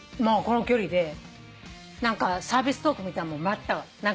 この距離で何かサービストークみたいなものもらった。